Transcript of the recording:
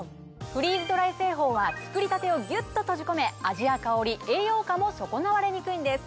フリーズドライ製法は作りたてをギュっと閉じ込め味や香り栄養価も損なわれにくいんです。